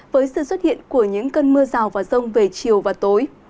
với sự xuất hiện của những cơn mưa rào và rông về chiều và tối